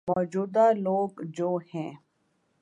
موجود ہ لوگ جو ہیں۔